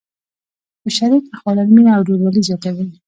په شریکه خوړل مینه او ورورولي زیاتوي.